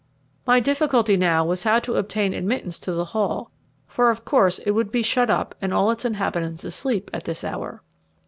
My difficulty now was how to obtain admittance to the Hall, for of course it would be shut up and all its inhabitants asleep at this hour.